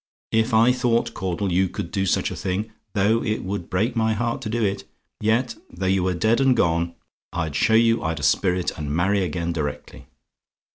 If I thought, Caudle, you could do such a thing, though it would break my heart to do it, yet, though you were dead and gone, I'd show you I'd a spirit, and marry again directly.